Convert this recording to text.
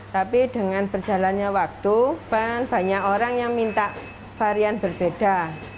tapi dengan berjalannya waktu banyak orang yang minta varian berbeda